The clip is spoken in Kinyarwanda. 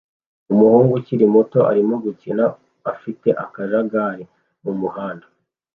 Umuhungu ukiri muto arimo gukina afite akajagari mumuhanda